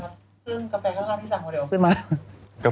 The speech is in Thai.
เครื่องกาแฟข้างล่างพี่สั่งก็เดี๋ยว